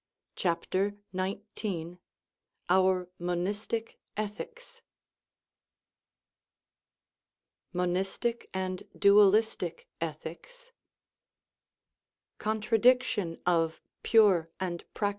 CHAPTER XIX OUR MONISTIC ETHICS Monistic and Dualistic Ethics Contradiction of Pure and Prac.